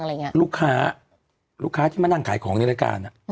คือของลูกค้าลูกค้าที่มาหน้าขายของในรายการอ่ะ